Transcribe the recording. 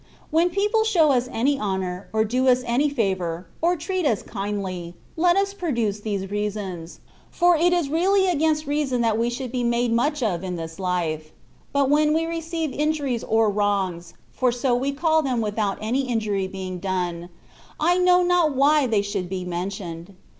When people show us any honour, or do us any favour, or treat us kindly, let us produce these reasons — ^for it is really against reason that we should be made much of in this life — ^but when we receive injuries or wrongs (for so we call them without any injury being done), I know not why they should be mentioned.